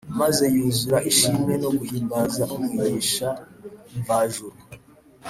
maze yuzura ishimwe no guhimbaza Umwigisha mvajuru